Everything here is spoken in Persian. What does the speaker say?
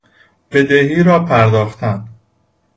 بدهی را پرداختن